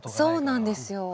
そうなんですよ。